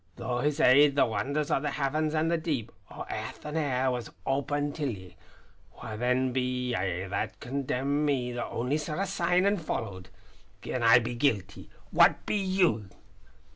Through his aid the wonders o' the heavens and the deep, o' airth and air, was opened till ye. Wha then be ye that condemn me that only saw a sign an' followed? Gin I be guilty, what be you?"